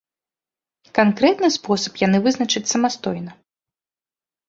Канкрэтны спосаб яны вызначаць самастойна.